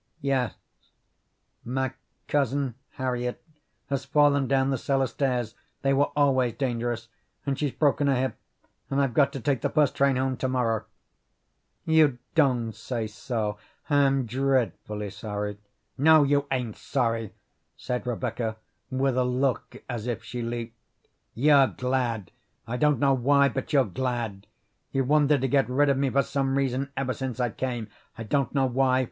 "Yes, my Cousin Harriet has fallen down the cellar stairs they were always dangerous and she's broken her hip, and I've got to take the first train home to morrow." "You don't say so. I'm dreadfully sorry." "No, you ain't sorry!" said Rebecca, with a look as if she leaped. "You're glad. I don't know why, but you're glad. You've wanted to get rid of me for some reason ever since I came. I don't know why.